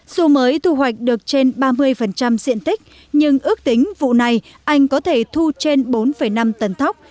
dù mới thu hoạch được trên ba mươi diện tích nhưng ước tính vụ này anh có thể thu trên bốn năm tấn thóc